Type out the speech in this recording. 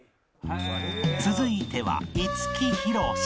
続いては五木ひろし